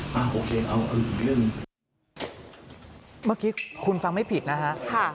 เมื่อกี้คุณฟังไม่ผิดนะฮะ